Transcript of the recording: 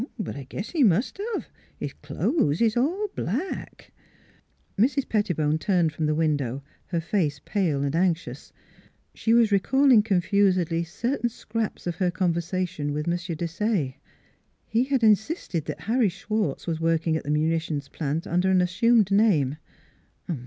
But I guess he must of; his cloe's is all black." Mrs. Pettibone turned from the window, her NEIGHBORS 303 face pale and anxious. She was recalling con fusedly certain scraps of her conversation with M. Desaye. He had insisted that Harry Schwartz was working at the munitions plant under an assumed name.